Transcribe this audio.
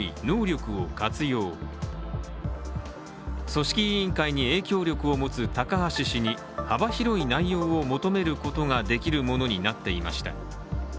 組織委員会に影響力を持つ高橋氏に幅広い内容を求めることができるものになっていました。